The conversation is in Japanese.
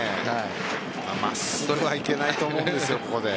真っすぐはいけないと思うんですよ。